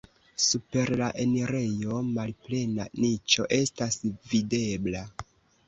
Super la enirejo malplena niĉo estas videbla.